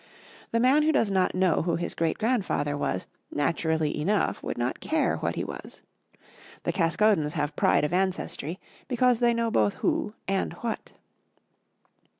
The man who does not know who his great grandfather was, naturally enough would not care what he was. The Caskodens have pride of ancestry because they know both who and what.